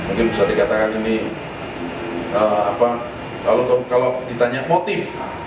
mungkin bisa dikatakan ini kalau ditanya motif